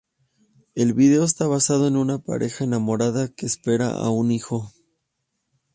El vídeo está basado en una pareja enamorada que espera a un hijo.